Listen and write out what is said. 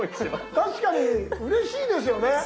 確かにうれしいですよね。